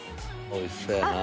おいしそうやな。